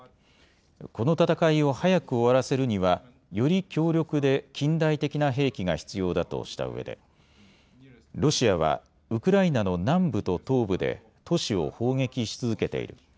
この戦いを早く終わらせるにはより強力で近代的な兵器が必要だとしたうえでロシアはウクライナの南部と東部で都市を砲撃し続けている。